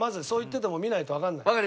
そう言ってても見ないとわかんない。